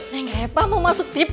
neng reva mau masuk tv